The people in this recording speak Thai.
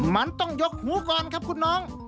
มันต้องยกหูก่อนครับคุณน้อง